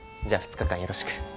じゃあ２日間よろしく。